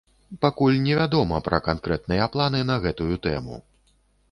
Пакуль невядома пра канкрэтныя планы на гэтую тэму.